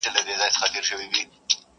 پر سينه باندي يې ايښي وه لاسونه.!